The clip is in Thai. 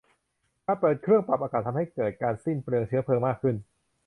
การเปิดเครื่องปรับอากาศทำให้เกิดการสิ้นเปลืองเชื้อเพลิงมากขึ้น